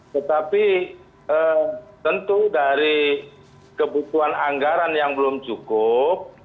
tetapi tentu dari kebutuhan anggaran yang belum cukup